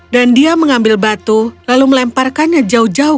dan dia mengambil batu dan melemparkannya jauh jauh ke ujung batu